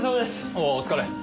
おおお疲れ。